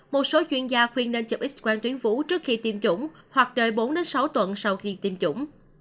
một số chuyên gia khuyên nên chụp x quen tuyến phố trước khi tiêm chủng hoặc đợi bốn sáu tuần sau khi tiêm chủng